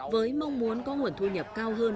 với mong muốn có nguồn thu nhập cao hơn